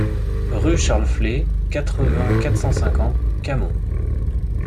Rue Charles Flet, quatre-vingts, quatre cent cinquante Camon